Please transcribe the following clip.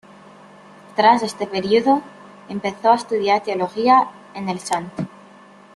Tras este período, comenzó a estudiar Teología en el St.